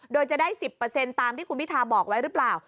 โดยจะได้สิบเปอร์เซ็นต์ตามที่คุณพิทาบอกไว้หรือเปล่า